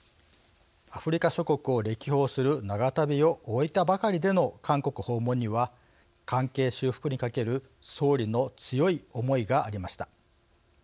アフリカ諸国を歴訪する長旅を終えたばかりでの韓国訪問には関係修復にかける総理の強い思いがありました。